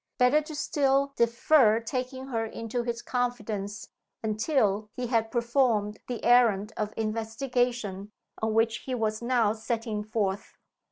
Better to still defer taking her into his confidence until he had performed the errand of investigation on which he was now setting forth.